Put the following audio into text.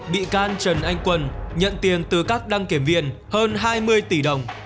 bị can trần anh quân nhận tiền từ các đăng kiểm viên hơn hai mươi tỷ đồng